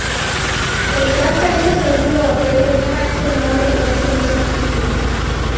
El Plaza es el segundo hotel que lleva ese nombre en ese mismo sitio.